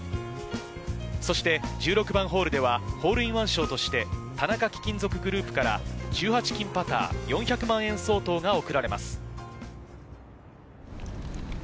そして１６番ホールではホールインワン賞として田中貴金属グループからＫ１８パター４００万円相当が贈られます。